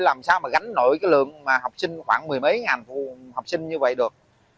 làm sao mà gánh nổi cái lượng mà học sinh khoảng mười mấy ngàn học sinh như vậy được